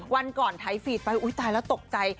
วันก่อนไทไฟล์เนี้ยอุ้ยตายแล้วตกใจ